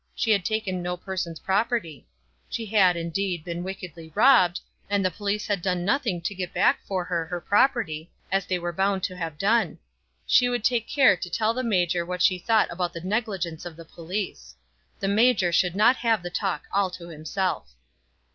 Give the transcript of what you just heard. She had taken no person's property. She had, indeed, been wickedly robbed, and the police had done nothing to get back for her her property, as they were bound to have done. She would take care to tell the major what she thought about the negligence of the police. The major should not have the talk all to himself.